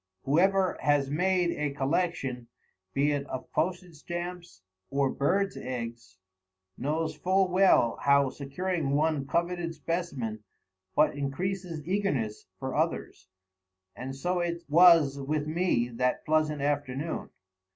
Whoever has made a collection, be it of postage stamps or birds' eggs, knows full well how securing one coveted specimen but increases eagerness for others; and so it was with me that pleasant afternoon.